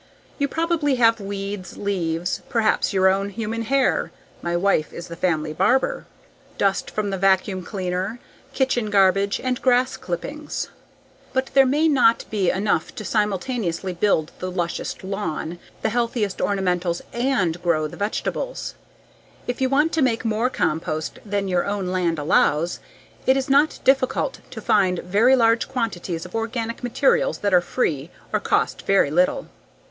You probably have weeds, leaves, perhaps your own human hair (my wife is the family barber), dust from the vacuum cleaner, kitchen garbage and grass clippings. But, there may not be enough to simultaneously build the lushest lawn, the healthiest ornamentals _and _grow the vegetables. If you want to make more compost than your own land allows, it is not difficult to find very large quantities of organic materials that are free or cost very little.